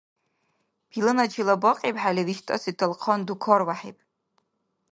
Пиланачила бакьибхӀели виштӀаси талхъан дукарвяхӀиб